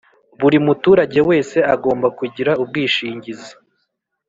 Buri muturage wese agomba kugira ubwishingizi